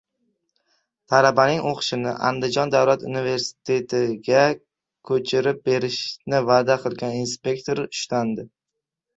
Talabaning o‘qishini Andijon davlat universitetiga ko‘chirib berishni va’da qilgan inspektor ushlandi